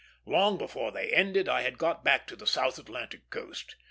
Long before they ended I had got back to the South Atlantic coast.